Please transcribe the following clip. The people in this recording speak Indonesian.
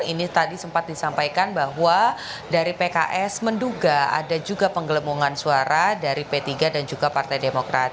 ini tadi sempat disampaikan bahwa dari pks menduga ada juga penggelemongan suara dari p tiga dan juga partai demokrat